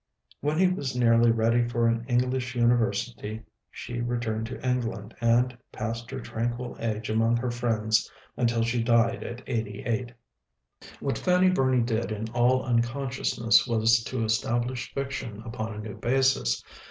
When he was nearly ready for an English university she returned to England, and passed her tranquil age among her friends until she died at eighty eight. What Fanny Burney did in all unconsciousness was to establish fiction upon a new basis.